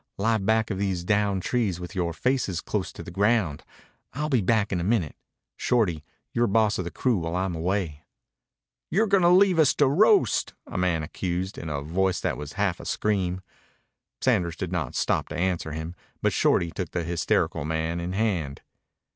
Lie back of these down trees with your faces close to the ground. I'll be back in a minute. Shorty, you're boss of the crew while I'm away." "You're gonna leave us to roast," a man accused, in a voice that was half a scream. Sanders did not stop to answer him, but Shorty took the hysterical man in hand.